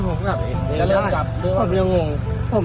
เพราะผมยังงง